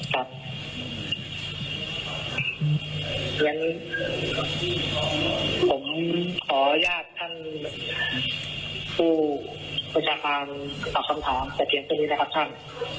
เพราะฉะนั้นผมขออนุญาตท่านผู้ประชาการตอบคำถามแต่เพียงตัวนี้นะครับท่าน